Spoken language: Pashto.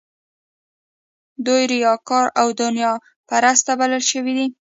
دوی ریاکار او دنیا پرسته بلل شوي دي.